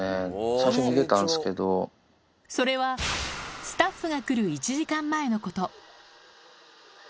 最初、それはスタッフが来る１時間前のこと。